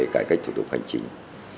cải cách thủ tục hành trình